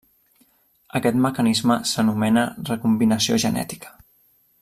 Aquest mecanisme s'anomena recombinació genètica.